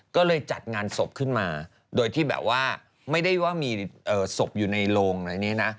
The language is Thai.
ก็เลยจัดงานศพขึ้นมาโดยที่แบบว่าไม่ได้ว่ามีศพอยู่ในโรงอะไรนี้นะ